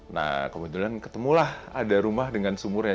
nah kebetulan ketemulah ada rumah dengan sumurnya